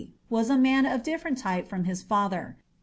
was a man of different type from his father.